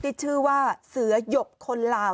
ที่ชื่อว่าเสือหยบคนลาว